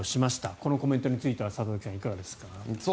このコメントについては里崎さんいかがですか？